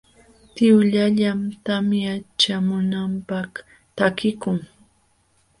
Tiwllallam tamya ćhaamunanpaq takikun.